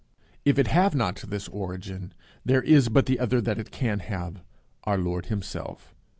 If it have not this origin, there is but the other that it can have Our Lord himself.